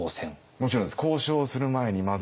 もちろんです。